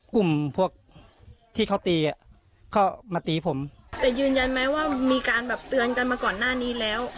กลุ่มพวกที่เขาตีอ่ะเขามาตีผมแต่ยืนยันไหมว่ามีการแบบเตือนกันมาก่อนหน้านี้แล้ว